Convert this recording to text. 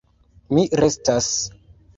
Mi restas!